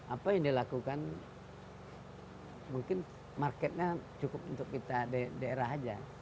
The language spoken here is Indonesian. apa yang dilakukan mungkin marketnya cukup untuk kita daerah saja